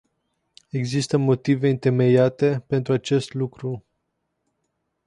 Există motive întemeiate pentru acest lucru.